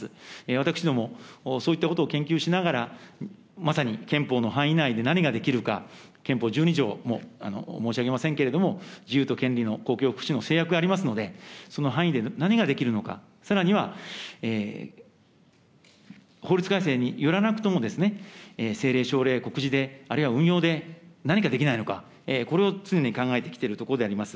私どもそういったことを研究しながら、まさに憲法の範囲内で何ができるか、憲法１２条、申し上げませんけれども、自由と権利の公共福祉の制約がありますので、その範囲で何ができるのか、さらには、法律改正によらなくても、政令、省令、告示で、あるいは、運用で何かできないのか、これを常に考えてきているところであります。